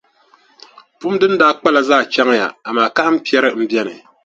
Pum din daa kpala zaa chaŋya, amaa kahimpiɛri m-be ni.